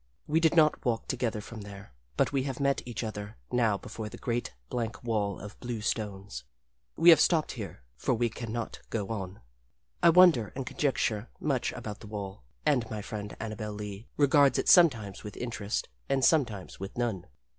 We did not walk together from there, but we have met each other now before the great, blank wall of blue stones. We have stopped here, for we can not go on. I wonder and conjecture much about the wall, and my friend Annabel Lee regards it sometimes with interest and sometimes with none.